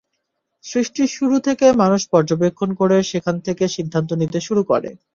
সৃষ্টির শুরু থেকে মানুষ পর্যবেক্ষণ করে সেখান থেকে সিদ্ধান্ত নিতে শুরু করে।